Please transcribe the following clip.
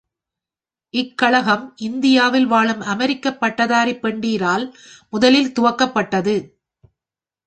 இக்கழகம் இந்தியாவில் வாழும் அமெரிக்கப் பட்டதாரிப் பெண்டிரால் முதலில் துவக்கப்பட்டது.